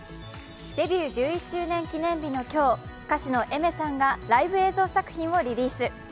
デビュー１１周年記念日の今日、歌手のＡｉｍｅｒさんがライブ映像作品をリリース。